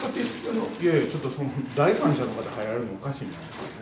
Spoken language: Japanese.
いやいやちょっと、第三者の方が入られるのおかしいんじゃないですかね。